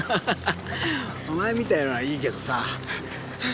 お前みたいなのはいいけどさ。